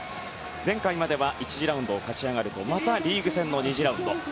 前回までは１次ラウンドを勝ち上がるとまたリーグ戦の２次ラウンド。